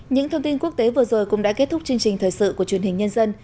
những thông tin quốc tế vừa rồi cũng đã kết thúc chương trình thời sự của truyền hình nhân dân